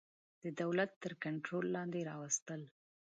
د دولت تر کنټرول لاندي راوستل.